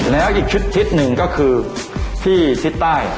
และอีกทิศหนึ่งก็คือที่ทิศใต้